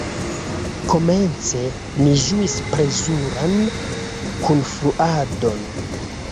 Komence ni ĝuis plezuran kunfluadon.